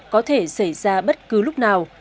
có thể xảy ra bất cứ lúc nào